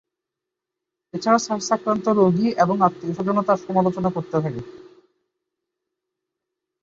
এছাড়াও সার্স আক্রান্ত রোগী ও আত্মীয়-স্বজনও তার সমালোচনা করতে থাকে।